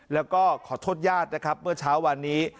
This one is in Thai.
แล้วก็ขอโทษญาตินะครับเมื่อเช้าวันนี้